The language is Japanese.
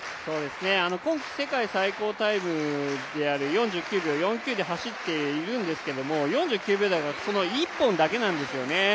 今季世界最高タイムである４９秒４９で走っているんですけども４９秒台がその１本だけなんですね